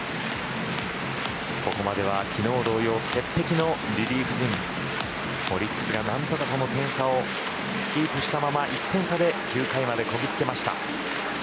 ここまでは昨日同様鉄壁のリリーフ陣オリックスが何とかこの点差をキープしたまま１点差で９回までこぎつけました。